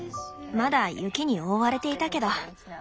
まだ雪に覆われていたけど。